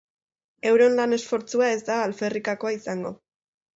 Euren lan esfortzua ez da alferrikakoa izango.